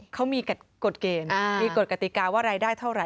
เขามีกฎเกณฑ์มีกฎกติกาว่ารายได้เท่าไห